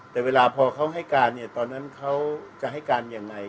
แต่เวลาพอเขาให้การเนี่ยตอนนั้นเขาจะให้การยังไง